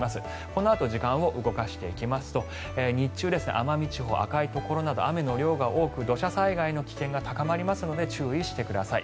このあと時間を動かしていきますと日中、奄美地方、赤いところなど雨の量が多く土砂災害の危険が高まりますので注意してください。